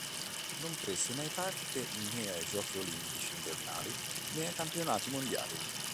Non prese mai parte né a Giochi olimpici invernali, né a Campionati mondiali.